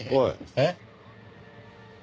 えっ？